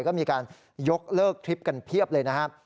ก็มีการยกเลิกทริปกันเพียบเลยนะครับ